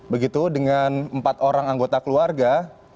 begitu dengan empat orang anggota keluarga